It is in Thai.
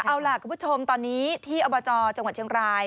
เอาล่ะคุณผู้ชมตอนนี้ที่อบจจังหวัดเชียงราย